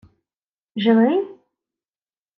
— Живий?!